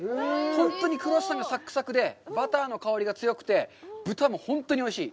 本当にクロワッサンがサックサクでバターの香りが強くて、豚も本当においしい。